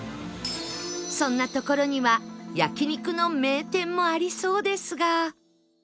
そんな所には焼肉の名店もありそうですが